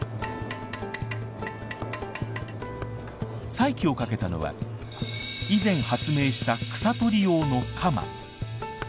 再起を懸けたのは以前発明した草取り用のカマ。